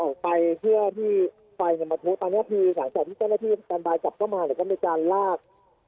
ออกไปเพื่อที่ไฟเนี่ยมาทะตอนนี้คือหลังจากที่เจ้าหน้าที่สแตนบายกลับเข้ามาเนี่ยก็มีการลาก